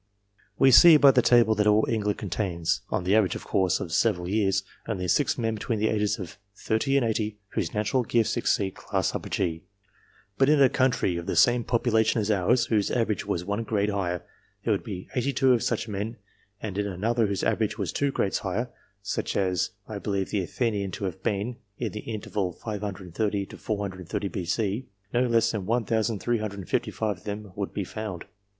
We see by the table that all England contains (on the average, of course, of several years) only six men between the ages of thirty and eighty, whose natural gifts exceed class G ; but in a country of the same population as ours, whose average was one grade higher, there would be eighty two of such men ; and in another whose average was two grades higher (such as I believe the Athenian to have been, in the interval 530 430 B.C.) no less than 1,355 of them would be found.